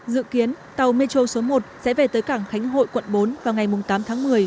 dự kiến tàu metro số một sẽ về tới cảng khánh hội quận bốn vào ngày tám tháng một mươi